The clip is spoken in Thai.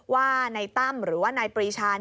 ว่าในตั้มหรือว่าในปรีชา